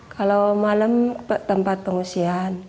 kalau malam tempat pengungsian